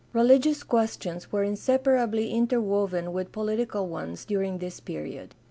Religious questions were inseparably interwoven with political ones during this period.